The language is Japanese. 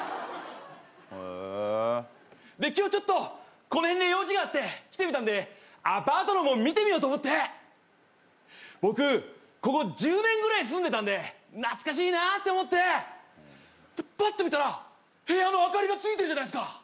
へえで今日ちょっとこのへんに用事があって来てみたんでアパートの門見てみようと思って僕ここ１０年ぐらい住んでたんで懐かしいなって思ってパッと見たら部屋の明かりがついてるじゃないですか